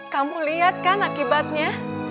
kamu lihat kan akibatnya